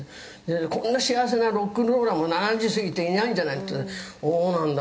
「“こんな幸せなロックンローラーも７０過ぎていないんじゃない？”って言ったら“そうなんだ。